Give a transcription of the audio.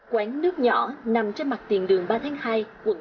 quán nước nhỏ nằm trên mặt tiền đường ba tháng hai quận một mươi một